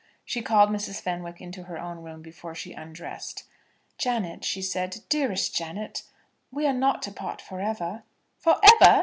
She called Mrs. Fenwick into her own room before she undressed. "Janet," she said, "dearest Janet, we are not to part for ever?" "For ever!